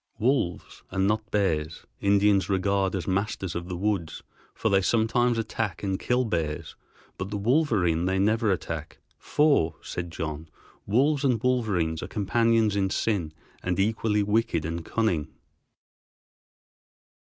Wolves, and not bears, Indians regard as masters of the woods, for they sometimes attack and kill bears, but the wolverine they never attack, "for," said John, "wolves and wolverines are companions in sin and equally wicked and cunning."